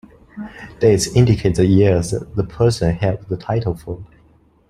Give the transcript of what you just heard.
Dates indicate the years the person held the title for.